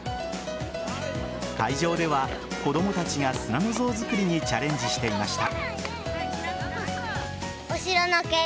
会場では子供たちが砂の像作りにチャレンジしていました。